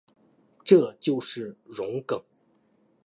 这就是容庚。